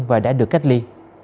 và đã được cách ly